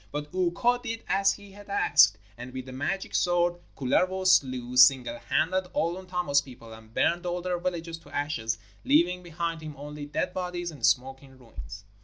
And Ukko did as he had asked, and with the magic sword Kullervo slew, single handed, all Untamo's people, and burned all their villages to ashes, leaving behind him only dead bodies and smoking ruins.